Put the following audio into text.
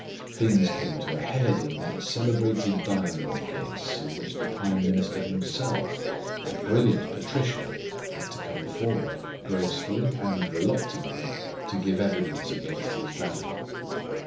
Things came to a head in that celebrated diamond case in which the Prime Minister himself, that brilliant patrician, had to come forward, gracefully and reluctantly, to give evidence against his valet.